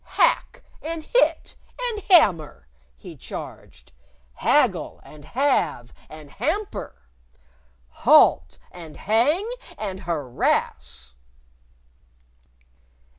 "Hack and hit and hammer!" he charged. "Haggle and halve and hamper! Halt and hang and harass!"